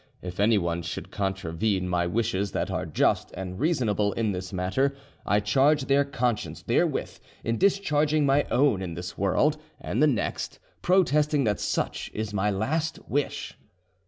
If anyone should contravene my wishes that are just and reasonable in this matter, I charge their conscience therewith in discharging my own in this world and the next, protesting that such is my last wish.